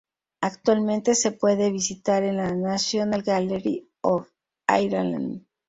Actualmente se puede visitar en la National Gallery of Ireland.